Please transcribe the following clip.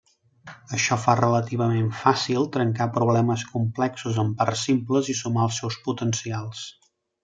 Això fa relativament fàcil trencar problemes complexos en parts simples i sumar els seus potencials.